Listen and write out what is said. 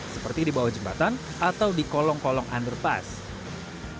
seperti di bawah jembatan atau di kolong kolong underpass